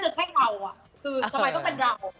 คือทำไมต้องเป็นเรา